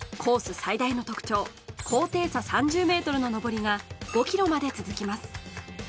最大の特徴、高低差３０ｍの上りが５ｋｍまで続きます。